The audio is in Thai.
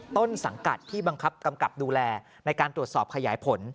ต้นสังกัดที่บังคับกำกับดูแลในการตรวจสอบขยายผล